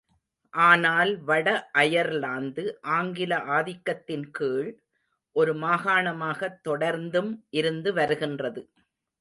ஆனால் வட அயர்லாந்து ஆங்கில ஆதிக்கத்தின்கீழ் ஒரு மாகாணமாகத் தொடர்ந்தும் இருந்து வருகின்றது.